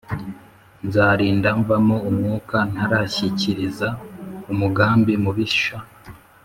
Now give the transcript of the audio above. Nzarinda mvamo umwuka ntarashyigikira umugambi mubisha